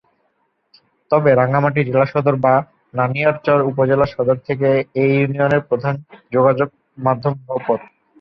তবে রাঙ্গামাটি জেলা সদর বা নানিয়ারচর উপজেলা সদর থেকে এ ইউনিয়নের প্রধান যোগাযোগ মাধ্যম নৌপথ।